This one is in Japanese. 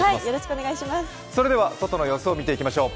それでは外の様子を見ていきましょう。